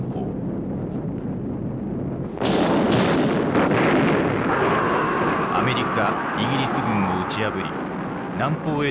アメリカイギリス軍を打ち破り南方へと勢力を拡大していく。